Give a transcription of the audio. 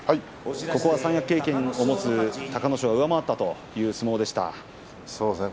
ここは三役経験のある隆の勝が上回った相撲でした。